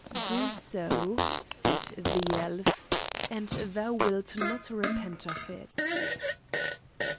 "Do so," said the elf, "and thou wilt not repent of it."